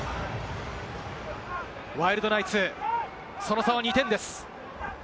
ワイルドナイツ、その差は２点です。